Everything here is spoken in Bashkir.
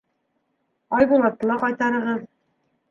Айбулатты ла ҡайтарығыҙ.